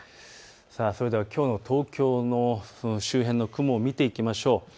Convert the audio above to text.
それではきょうの東京周辺の雲を見ていきましょう。